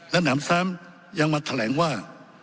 และหนำซ้ำยังมาแถลงว่า